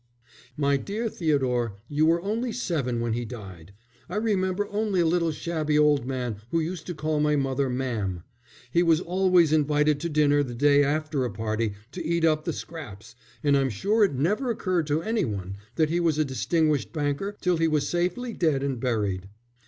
"My dear Theodore, you were only seven when he died. I remember only a little shabby old man who used to call my mother mam. He was always invited to dinner the day after a party to eat up the scraps, and I'm sure it never occurred to any one that he was a distinguished banker till he was safely dead and buried."